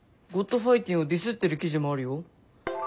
「ｇｏｄファイティン」をディスってる記事もあるよ。